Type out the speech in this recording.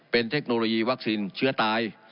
เป็นเทคโนโลยีวัคซีนเชื้อตาย